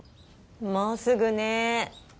もうすぐね。